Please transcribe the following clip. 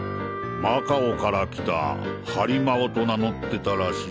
マカオから来た「ハリマオ」と名乗ってたらしい。